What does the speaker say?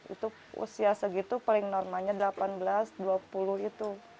itu usia segitu paling normalnya delapan belas dua puluh itu